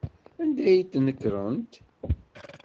Anda ay d-nekrent?